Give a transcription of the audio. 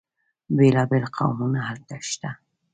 بیلا بیل قومونه هلته شته.